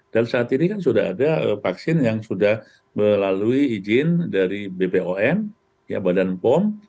dan saat ini kan sudah ada vaksin yang sudah melalui izin dari bpom ya badan pom